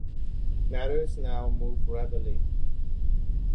Matters now moved rapidly.